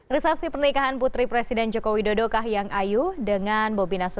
resepsi pernikahan putri presiden joko widodo kahiyang ayu dengan bobi nasution